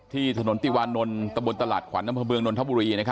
ที่ถนนติวันนนตะบุญตลัดขวานน้ำพระเบืองนนทบุรี